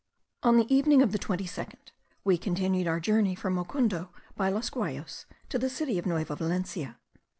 On the evening of the 22nd we continued our journey from Mocundo by Los Guayos to the city of Nueva Valencia.